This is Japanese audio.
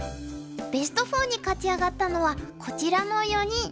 ベスト４に勝ち上がったのはこちらの４人。